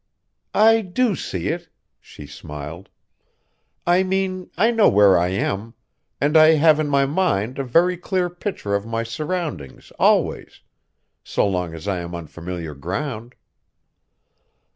"I do see it," she smiled, "I mean I know where I am, and I have in my mind a very clear picture of my surroundings always, so long as I am on familiar ground."